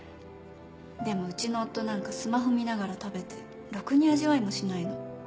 でもうちの夫なんかスマホ見ながら食べてろくに味わいもしないの。